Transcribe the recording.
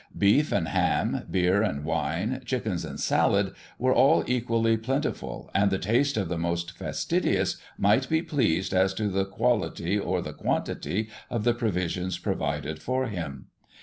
Beef and ham, beer and wine, chickens and salad, were all equally plentiful, and the taste of the most fastidious might be pleased as to the quality, or the quantity, of the provisions provided for him.